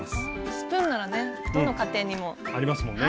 スプーンならねどの家庭にも。ありますもんね。